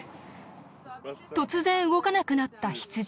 突然動かなくなったヒツジ。